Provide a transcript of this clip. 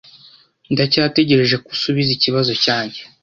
Ndacyategereje ko usubiza ikibazo cyanjye.